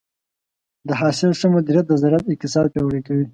د حاصل ښه مدیریت د زراعت اقتصاد پیاوړی کوي.